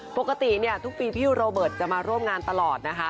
ปกติทุกปีพี่โรเบิร์ตจะมาร่วมงานตลอดนะคะ